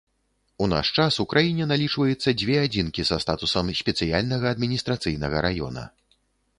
У наш час у краіне налічваецца дзве адзінкі са статусам спецыяльнага адміністрацыйнага раёна.